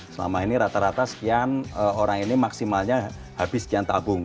selama ini rata rata sekian orang ini maksimalnya habis sekian tabung